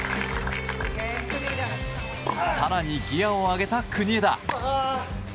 更にギアを上げた国枝！